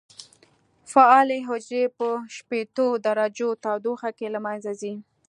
فعالې حجرې په شپېتو درجو تودوخه کې له منځه ځي.